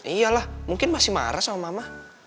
iyalah mungkin masih marah sama mama